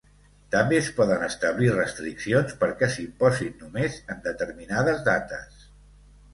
També es poden establir restriccions perquè s'imposin només en determinades dates.